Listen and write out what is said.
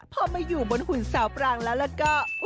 พอมาอยู่บนหุ่นสาวปรางแล้วแล้วก็